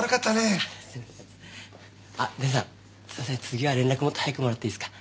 次は連絡もっと早くもらっていいですか？